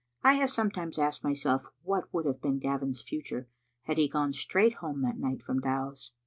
I have sometimes asked myself what would have been Gavin's future had he gone straight home that night from Dow's.